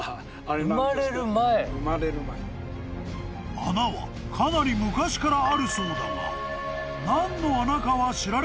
［穴はかなり昔からあるそうだが］